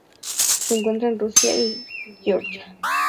Se encuentra en Rusia y Georgia.